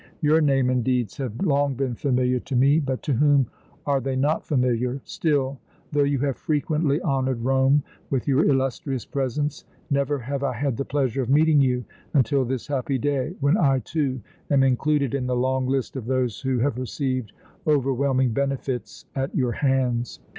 Your name and deeds have long been familiar to me, but to whom are they not familiar! Still, though you have frequently honored Rome with your illustrious presence, never have I had the pleasure of meeting you until this happy day when I, too, am included in the long list of those who have received overwhelming benefits at your hands.